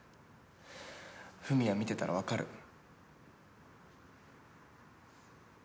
史也見てたら分かる。